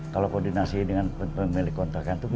kalau koordinasi dengan pemilik kontrakan itu